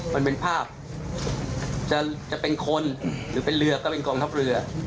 มันเป็นภาพจะเป็นคนหรือเป็นเรือก็เป็นกองทัพเรือ